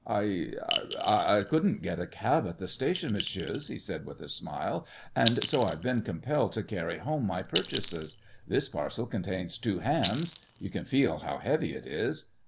"I I couldn't get a cab at the station, messieurs," he said, with a smile, "and so I've been compelled to carry home my purchases. This parcel contains two hams. You can feel how heavy it is!